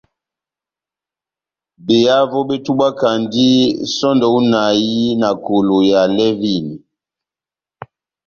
Behavo betubwakandi sɔndɛ hú inahi na kolo ya lɛvini.